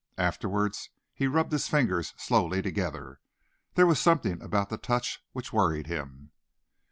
Afterwards he rubbed his fingers slowly together. There was something about the touch which worried him.